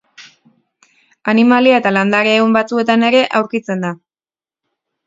Animalia- eta landare-ehun batzuetan ere aurkitzen da.